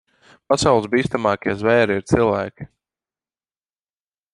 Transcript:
Pasaules bīstamākie zvēri ir cilvēki.